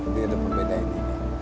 ini ada pembedainya